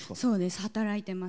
働いています。